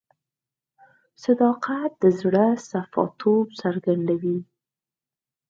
صداقت د زړه صفا توب څرګندوي.